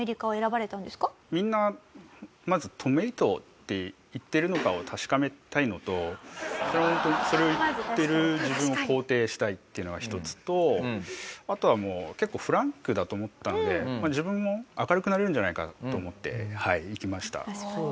みんなまず「トメイトゥ」って言ってるのかを確かめたいのとそれを言ってる自分を肯定したいっていうのが一つとあとはもう結構フランクだと思ったので自分も明るくなれるんじゃないかと思って行きました。